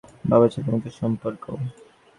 বাবা-ছেলের মতো সম্পর্ক।